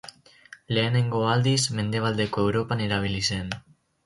Lehenengo aldiz Mendebaldeko Europan erabili zen.